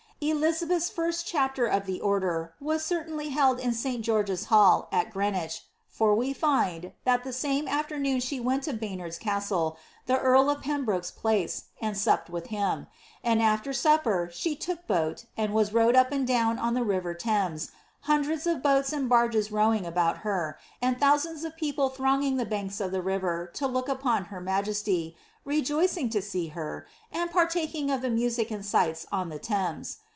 Elizabeth's first chapter of the order was certainly held in Sc GeoigeV hall at Greenwich, for we find, that the same aAemoon she went to Baynard's castle, the earl of Pembroke's fdace, and supped with hin; and af\er supper she took boat, and was rowed up and down on the* river Thames, hundreds of boats and beiges rowing about her, aBd" thousands of people thronging the banks ^ the river to look upon her majesty, rejoicing to see her, and partaking of the music and sights on the Thames.